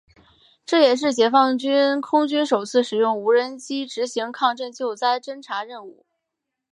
这也是解放军空军首次使用无人机执行抗震救灾侦察任务。